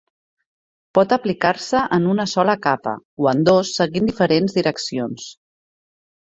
Pot aplicar-se en una sola capa, o en dos seguint diferents direccions.